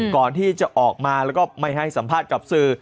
ก่อนที่จะออกมาแล้วก็ไม่ให้สัมภาษณ์กับสื่อ